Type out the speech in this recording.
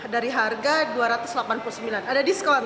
dari harga dua ratus delapan puluh sembilan ada diskon